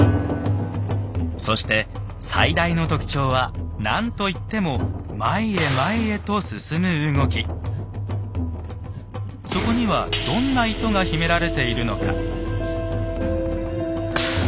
そして最大の特徴は何といってもそこにはどんな意図が秘められているのか。